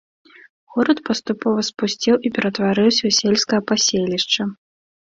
Горад паступова спусцеў і ператварыўся ў сельскае паселішча.